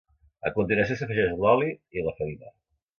A continuació s'afegeix l'oli i la farina.